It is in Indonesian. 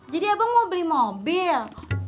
jadi abang mau beli mobil